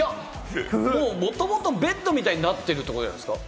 もともとベッドみたくなってるんじゃないですか？